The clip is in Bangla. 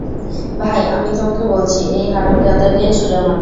ভাই, আমি তোমাকে বলছি, এই হারামজাদাকে ছুরি মারো।